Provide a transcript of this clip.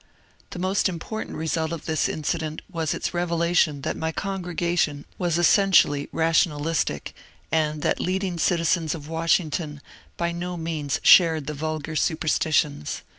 The most important result of this incident was its revela tion that my congregation was essentially rationalistic, and that leading citizens of Washing^n by no means shared the vulgar superstitions.